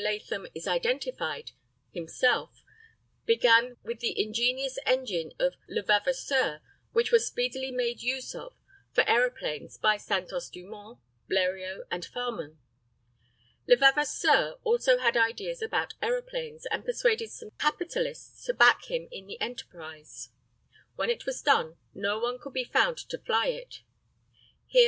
Latham has identified himself began with the ingenious engine of Levavasseur, which was speedily made use of for aeroplanes by Santos Dumont, Bleriot, and Farman. Levavasseur also had ideas about aeroplanes, and persuaded some capitalists to back him in the enterprise. When it was done, no one could be found to fly it. Here M.